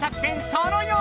その４！